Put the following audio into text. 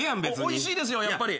おいしいですよやっぱり。